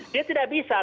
dia tidak bisa